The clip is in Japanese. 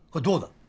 どうだ？